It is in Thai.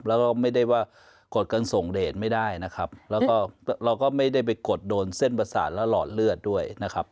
แล้วก็ไม่ได้ว่ากดกันส่งเดทไม่ได้นะครับแล้วก็เราก็ไม่ได้ไปกดโดนเส้นประสาทและหลอดเลือดด้วยนะครับ